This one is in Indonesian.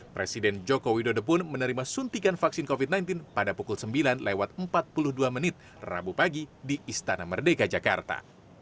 presiden joko widodo pun menerima suntikan vaksin covid sembilan belas pada pukul sembilan lewat empat puluh dua menit rabu pagi di istana merdeka jakarta